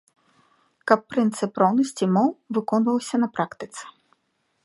Каб прынцып роўнасці моў выконваўся на практыцы.